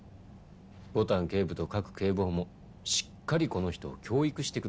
牡丹警部と賀来警部補もしっかりこの人を教育してくださいね。